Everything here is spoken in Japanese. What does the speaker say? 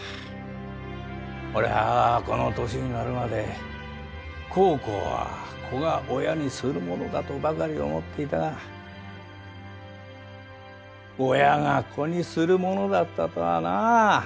俺はこの年になるまで孝行は子が親にするものだとばかり思っていたが親が子にするものだったとはなぁ。